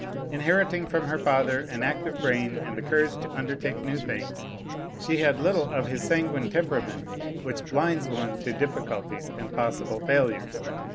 Inheriting from her father an active brain and the courage to undertake new things, she had little of his sanguine temperament which blinds one to difficulties and possible failures.